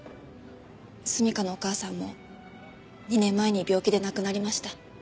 純夏のお母さんも２年前に病気で亡くなりました。